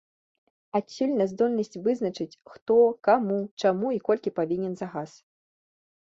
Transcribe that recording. Адсюль няздольнасць вызначыць, хто, каму, чаму і колькі павінен за газ.